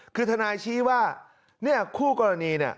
คือทนายชี้ว่าเนี่ยคู่กรณีเนี่ย